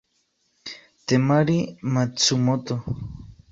Temari Matsumoto